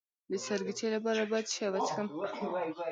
د سرګیچي لپاره باید څه شی وڅښم؟